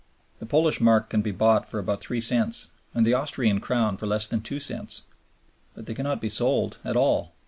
The Polish mark can be bought for about three cents and the Austrian crown for less than two cents, but they cannot be sold at all.